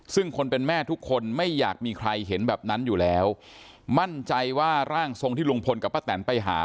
ซึ่งคนเป็นแม่ทุกคนไม่อยากมีใครเห็นแบบนั้นอยู่แล้วมั่นใจว่าร่างทรงที่ลุงพลกับป้าแตนไปหา